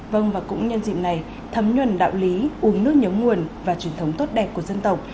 vâng và cũng nhân dịp này thấm nhuần đạo lý uống nước nhớ nguồn và truyền thống tốt đẹp của dân tộc